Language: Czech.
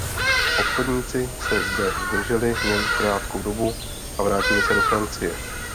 Obchodníci se zde zdrželi jen krátkou dobu a vrátili se do Francie.